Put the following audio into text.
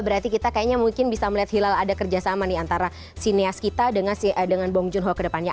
berarti kita kayaknya mungkin bisa melihat hilal ada kerjasama nih antara sineas kita dengan bong junho kedepannya